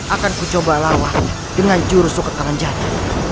akan kucoba lawak dengan jurusukat talan jalan